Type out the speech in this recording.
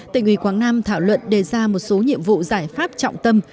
tỉnh ủy quảng nam thảo luận đề ra một số nhiệm vụ giải pháp trọng tâm